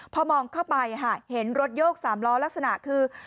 พอมองเข้าไปเห็นรถโยก๓ล้อลักษณะคือ